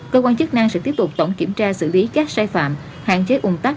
cơ quan chức năng sẽ tiếp tục tổng kiểm tra xử lý các sai phạm hạn chế ủng tác